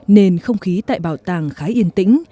nền không khí tại bảo tàng khá yên tĩnh